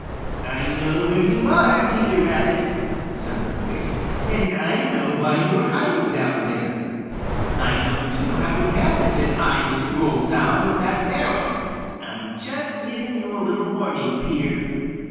"I know where you are, Peter Rabbit," said the voice. "And I know why you are hiding down there. I know, too, how it happened that I was rolled down hill in that barrel. I'm just giving you a little warning, Peter.